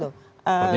bukan gitu loh